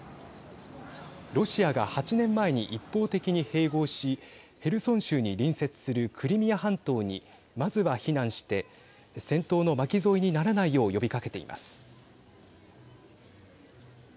ロシアが８年前に一方的に併合しヘルソン州に隣接するクリミア半島にまずは避難して戦闘の巻き添えにならないよう呼びかけています。